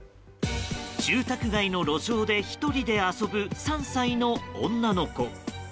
住宅街の路上で１人で遊ぶ３歳の女の子。